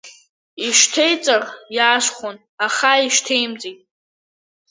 Ишьҭеиҵар иаасхәон, аха ишьҭеимҵеит.